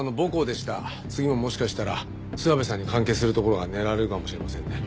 次ももしかしたら諏訪部さんに関係する所が狙われるかもしれませんね。